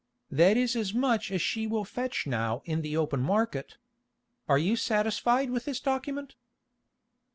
That is as much as she will fetch now in the open market. Are you satisfied with this document?"